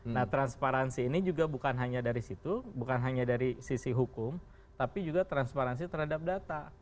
nah transparansi ini juga bukan hanya dari situ bukan hanya dari sisi hukum tapi juga transparansi terhadap data